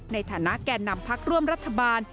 ในฐานะแก่นำพักร่วมรัฐบาล